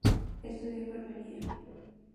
Estudió Enfermería.